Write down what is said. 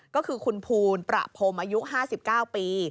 ก็คือคุณภูลประพรมอายุ๕๙ปี